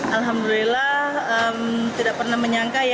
alhamdulillah tidak pernah menyangka ya